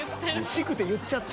「しくて」言っちゃってる。